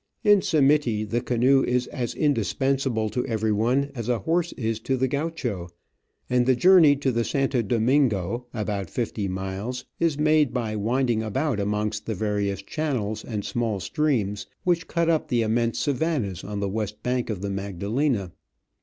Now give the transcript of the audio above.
In Simiti the canoe is as indispensable to everyone as a horse is to the Gaucho, and the journey to the Santo Domingo, about fifty miles, is made by winding about amongst the various channels and small streams which cut up the immense savannas on the west bank of the M* Digitized by VjOOQIC 1 82 Travels and Adventures Magdalena.